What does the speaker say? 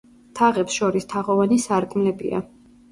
თაღებს შორის თაღოვანი სარკმლებია.